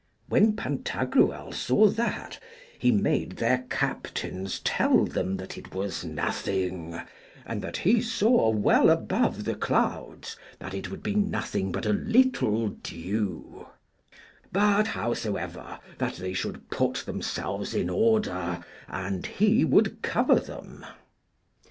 When Pantagruel saw that, he made their captains tell them that it was nothing, and that he saw well above the clouds that it would be nothing but a little dew; but, howsoever, that they should put themselves in order, and he would cover them.